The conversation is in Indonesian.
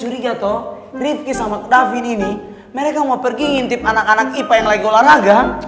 riffky sama devin ini mereka mau pergi ngintip anak anak ipa yang lagi olahraga